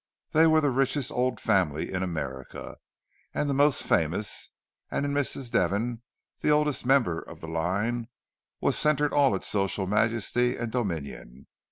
They were the richest old family in America, and the most famous; and in Mrs. Devon, the oldest member of the line, was centred all its social majesty and dominion.